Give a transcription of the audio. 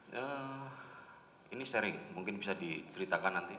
nah ini sering mungkin bisa diceritakan nanti